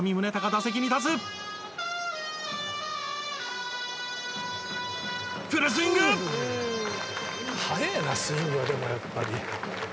「速えなスイングがでもやっぱり」